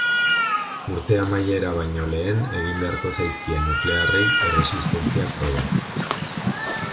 Urte amaiera baino lehen egin beharko zaizkie nuklearrei erresistentzia probak.